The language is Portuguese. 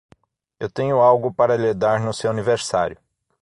Eu tenho algo para lhe dar no seu aniversário.